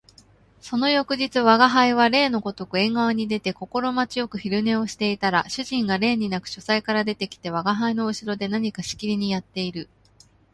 その翌日吾輩は例のごとく縁側に出て心持ち善く昼寝をしていたら、主人が例になく書斎から出て来て吾輩の後ろで何かしきりにやっている